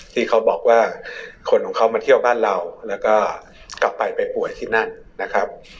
ที่เขาบอกว่าคนของเขามาเที่ยวบ้านเราแล้วก็กลับไปไปป่วยที่นั่นนะครับ